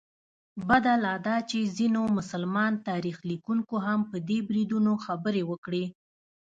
بده لا دا چې ځینو مسلمان تاریخ لیکونکو هم په دې بریدونو خبرې وکړې.